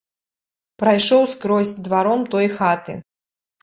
Прайшоў скрозь дваром той хаты.